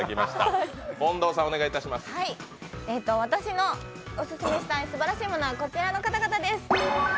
私のオススメしたいすばらしいものはこちらの方々です。